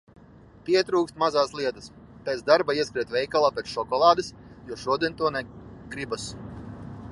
Pietrūkst mazās lietas. Pēc darba ieskriet veikalā pēc šokolādes, jo šodien to gribas.